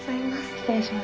失礼します。